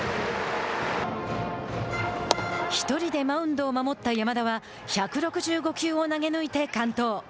１人でマウンドを守った山田は１６５球を投げ抜いて完投。